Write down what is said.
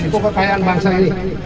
untuk kekayaan bangsa ini